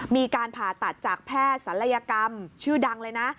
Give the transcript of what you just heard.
มีการผ่าตัดจากแพทย์ศัลยกรรมชื่อดังเลยนะ